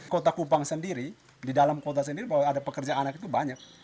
kota kupang sendiri di dalam kota sendiri bahwa ada pekerja anak itu banyak